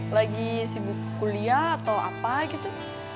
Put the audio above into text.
lagi sibuk kuliah atau apa gitu